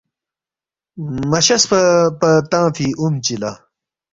مَہ شیش پا تنگفی اُم چی لا